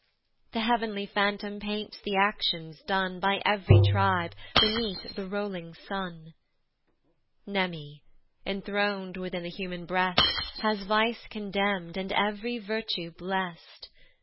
The heav'nly phantom paints the actions done By ev'ry tribe beneath the rolling sun. Mneme, enthron'd within the human breast, Has vice condemn'd, and ev'ry virtue blest.